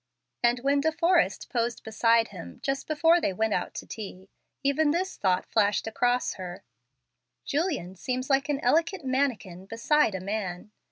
And when De Forrest posed beside him just before they went out to tea, even this thought flashed across her, "Julian, seems like an elegant manikin beside a man."